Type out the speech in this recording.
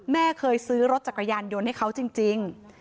แม่เคยซื้อรถจักรยานยนต์ให้เขาจริง